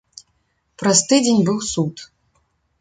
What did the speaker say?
Праз тыдзень быў суд.